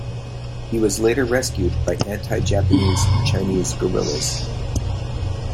He was later rescued by anti-Japanese Chinese guerrillas.